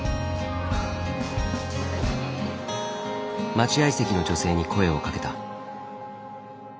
待ち合い席の女性に声をかけた。